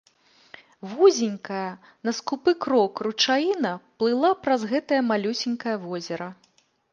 Вузенькая, на скупы крок, ручаіна плыла праз гэтае малюсенькае возера.